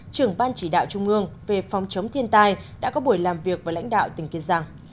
trưởng ban chỉ đạo trung ương về phòng chống thiên tai đã có buổi làm việc với lãnh đạo tỉnh kiên giang